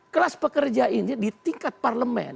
kelas pekerja ini di tingkat parlemen